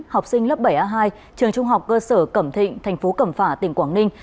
học sinh lớp bảy a hai trường trung học cơ sở cẩm thịnh thành phố cẩm phả tỉnh quảng ninh